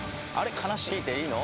悲しい聞いていいの？